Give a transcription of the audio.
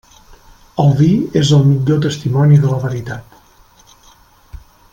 El vi és el millor testimoni de la veritat.